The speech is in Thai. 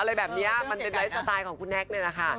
อะไรแบบนี้มันเป็นไลฟ์สไตล์ของคุณแน็กนี่แหละค่ะ